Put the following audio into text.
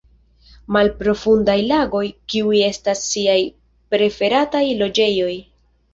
Malprofundaj lagoj kiuj estas siaj preferataj loĝejoj.